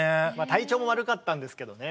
体調も悪かったんですけどね。